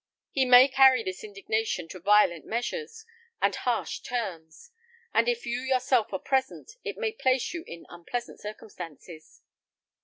He may carry this indignation to violent measures and harsh terms; and if you yourself are present, it may place you in unpleasant circumstances."